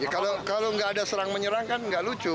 kalau tidak ada serang menyerang kan tidak lucu